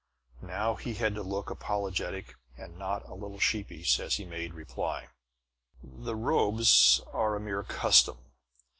Now he had to look apologetic and not a little sheepish as he made reply: "The robes are a mere custom.